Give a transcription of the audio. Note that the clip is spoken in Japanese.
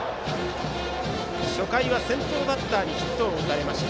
初回は先頭バッターにヒットを打たれました。